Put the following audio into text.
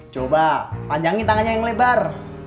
coba panjangi tangannya yang lebar